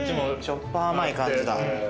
しょっぱ甘い感じだ。